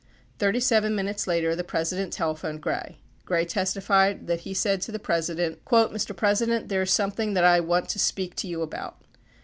Thirty seven minutes later the President telephoned Gray. Gray testified that he said to the President : 47 Mr. President, there is something that I want to speak to you about.